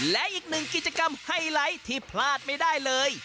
และอีกหนึ่งกิจกรรมไฮไลท์ที่พลาดไม่ได้เลย